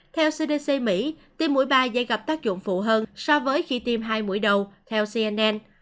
theo cdc mỹ tiêm mũi ba dây gặp tác dụng phụ hơn so với khi tiêm hai mũi đầu theo cnn